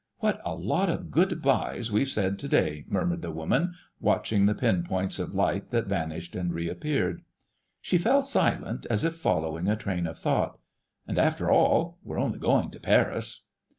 "What a lot of Good byes we've said to day," murmured the woman, watching the pin points of light that vanished and reappeared. She fell silent, as if following a train of thought, "And after all, we're only going to Paris!"